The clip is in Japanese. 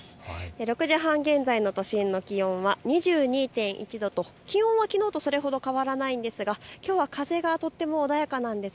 ６時半現在の都心の気温は２２．１度と気温はきのうとそれほど変わりませんがきょうは風がとても穏やかなんです。